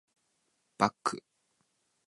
バック